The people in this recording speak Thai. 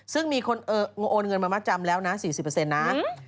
ซึ่งมีคนโอนเงินมามัดจำแล้วนะ๔๐นะ